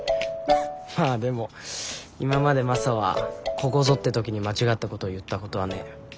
まあでも今までマサはここぞって時に間違ったことを言ったことはねえ。